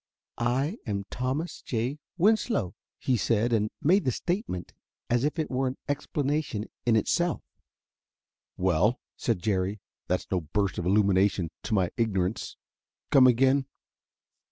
"I am Thomas J. Winslow," he said, and made the statement as if it were an explanation in itself. "Well," said Jerry, "that's no burst of illumination to my ignorance. Come again."